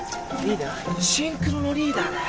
シンクロのリーダーだよ。